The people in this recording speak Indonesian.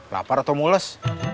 lapar atau mulus